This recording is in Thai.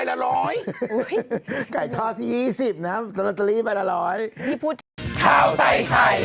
โปรดติดตามตอนต่อไป